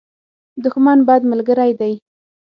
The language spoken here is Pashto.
دښمن، بد ملګری دی.